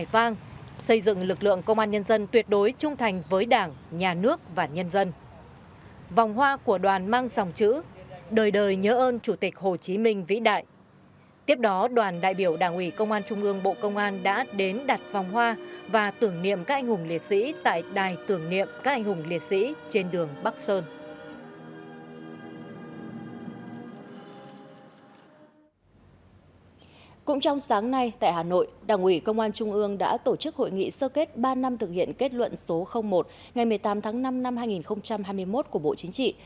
cũng trong sáng nay tại hà nội đảng ủy công an trung ương đã tổ chức hội nghị sơ kết ba năm thực hiện kết luận số một ngày một mươi tám tháng năm năm hai nghìn hai mươi một của bộ chính trị